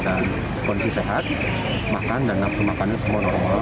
pada keadaan kondisi sehat makan dan nafsu makanan semua normal